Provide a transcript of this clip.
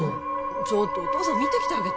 ちょっとお父さん見てきてあげて・